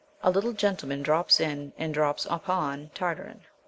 A little gentleman drops in and "drops upon" Tartarin.